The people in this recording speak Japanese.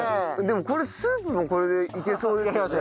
でもこれスープもこれでいけそうですよね。